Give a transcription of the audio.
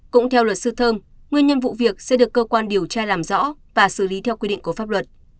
cũng theo luật sư thơm nguyên nhân vụ việc sẽ được cơ quan điều tra làm rõ và xử lý theo quy định của pháp luật